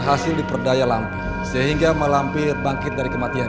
tapi dieta di arab itu tidak terlalu mislah dari bangkit dari matadamente